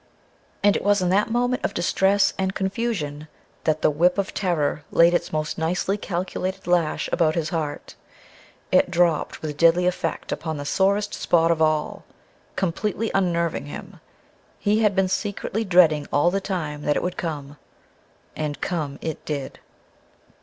And it was in that moment of distress and confusion that the whip of terror laid its most nicely calculated lash about his heart. It dropped with deadly effect upon the sorest spot of all, completely unnerving him. He had been secretly dreading all the time that it would come and come it did.